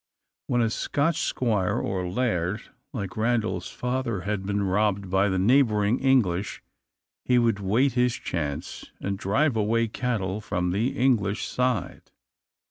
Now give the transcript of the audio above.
When a Scotch squire, or "laird," like Randal's father, had been robbed by the neighbouring English, he would wait his chance and drive away cattle from the English side.